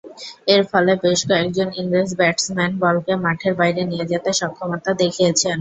এরফলে বেশ কয়েকজন ইংরেজ ব্যাটসম্যান বলকে মাঠের বাইরে নিয়ে যেতে সক্ষমতা দেখিয়েছেন।